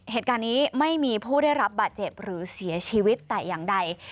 เหตุการณ์นี้ไม่มีผู้ได้รับบาดเจ็บหรือเสียชีวิตแต่อย่างใด